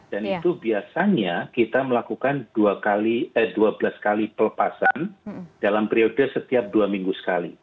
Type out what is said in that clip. dan itu biasanya kita melakukan dua belas kali pelepasan dalam periode setiap dua minggu sekali